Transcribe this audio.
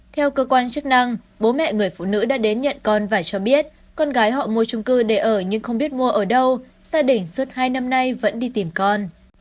theo cơ quan chức năng bố mẹ người phụ nữ đã đến nhận con vải cho biết con gái họ mua trung cư để ở nhưng không biết mua ở đâu gia đình suốt hai năm nay vẫn đi tìm con